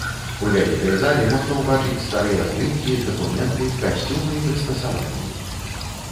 У вялікай зале можна ўбачыць старыя здымкі, дакументы, касцюмы і прыстасаванні.